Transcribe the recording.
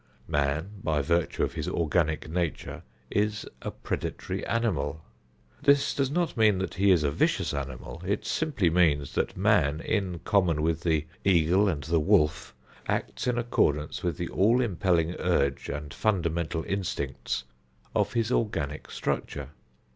Man, by virtue of his organic nature, is a predatory animal. This does not mean that he is a vicious animal. It simply means that man, in common with the eagle and the wolf, acts in accordance with the all impelling urge and fundamental instincts of his organic structure.